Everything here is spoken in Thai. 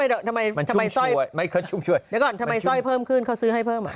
เดี๋ยวก่อนทำไมสอยเพิ่มขึ้นเขาซื้อให้เพิ่ม